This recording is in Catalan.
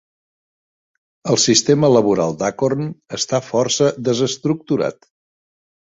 El sistema laboral d'Acorn està força desestructurat.